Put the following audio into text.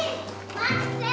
待って！